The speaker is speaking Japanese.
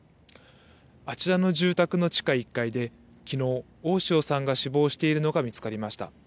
あちらの住宅の地下１階で、きのう、大塩さんが死亡しているのが見つかりました。